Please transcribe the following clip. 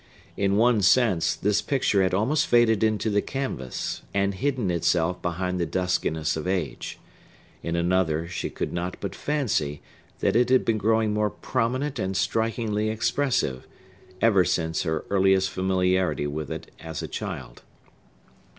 In one sense, this picture had almost faded into the canvas, and hidden itself behind the duskiness of age; in another, she could not but fancy that it had been growing more prominent and strikingly expressive, ever since her earliest familiarity with it as a child.